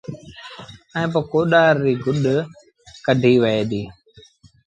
ائيٚݩ پو ڪوڏآر ريٚ گُڏ ڪڍيٚ وهي دي